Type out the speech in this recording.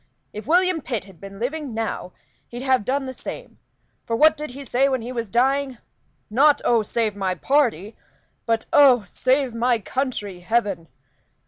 If William Pitt had been living now he'd have done the same; for what did he say when he was dying? Not 'Oh, save my party!' but 'Oh, save my country, heaven!'